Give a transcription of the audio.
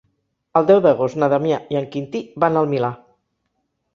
El deu d'agost na Damià i en Quintí van al Milà.